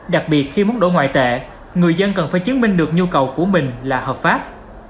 đặc biệt khi mức độ ngoại tệ người dân cần phải chứng minh được nhu cầu của mình là hợp pháp